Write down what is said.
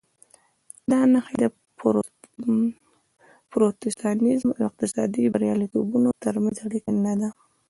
دا نښې د پروتستانېزم او اقتصادي بریالیتوبونو ترمنځ اړیکه نه ده.